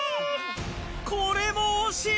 これも惜しい！